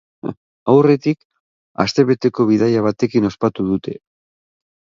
Aurretik, astebeteko bidaia batekin ospatu dute.